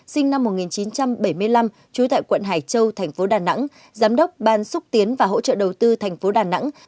sinh năm một nghìn chín trăm bảy mươi năm trú tại quận hải châu thành phố đà nẵng giám đốc ban xúc tiến và hỗ trợ đầu tư tp đà nẵng